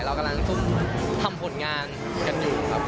เรากำลังทำผลงานกันอยู่ครับ